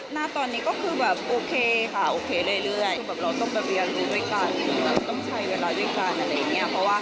เหมือนเดิมค่ะเหมือนเดิมที่